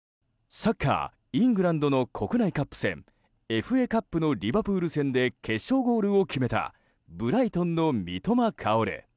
サッカー、イングランドの国内カップ戦、ＦＡカップのリバプール戦で決勝ゴールを決めたブライトンの三笘薫。